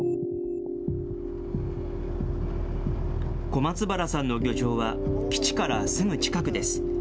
小松原さんの漁場は基地からすぐ近くです。